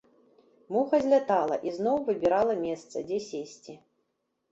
Муха злятала і зноў выбірала месца, дзе сесці.